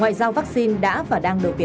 quỹ vaccine phòng covid một mươi chín